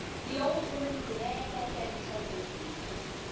The old woman glared at them help lessly.